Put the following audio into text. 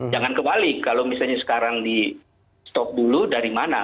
jangan kebalik kalau misalnya sekarang di stop dulu dari mana